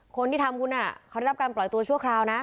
คนที่ทำคุณเขาได้รับการปล่อยตัวชั่วคราวนะ